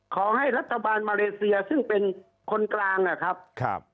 ขอให้รัฐบาลมาเลเซียซึ่งเป็นคนกลางนะครับ